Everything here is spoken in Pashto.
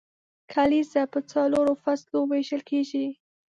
کلیزه په څلورو فصلو ویشل کیږي.